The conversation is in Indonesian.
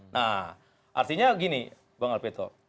nah artinya gini bang alpito